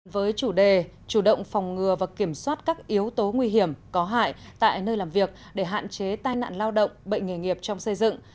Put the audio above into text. với chủ đề chủ động phòng ngừa và kiểm soát các yếu tố nguy hiểm có hại tại nơi làm việc để hạn chế tai nạn lao động bệnh nghề nghiệp trong xây dựng